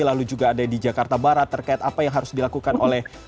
lalu juga ada di jakarta barat terkait apa yang harus dilakukan oleh